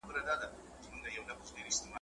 داسي وسوځېدم ولاړم لکه نه وم چا لیدلی ,